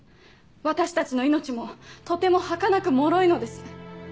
私たちの命もとても儚くもろいのです。